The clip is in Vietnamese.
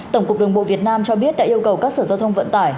tổng cục đường bộ việt nam cho biết đã yêu cầu các sở giao thông vận tải